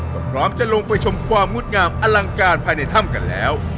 ก็พร้อมจะลงไปชมความงดงามอลังการภายในถ้ำกันแล้ว